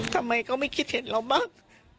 ทำไมเขาไม่คิดเห็นเราบ้าง